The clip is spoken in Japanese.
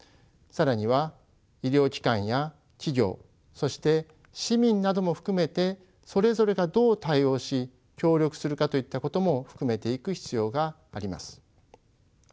更には医療機関や企業そして市民なども含めてそれぞれがどう対応し協力するかといったことも含めていく必要があります。